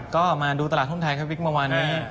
ก็มาดูตลาดหุ้นไทยครับวิกเมื่อวานนี้